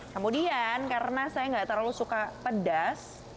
kemudian karena saya nggak terlalu suka pedas